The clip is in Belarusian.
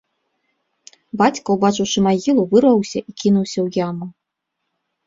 Бацька, убачыўшы магілу, вырваўся і кінуўся ў яму.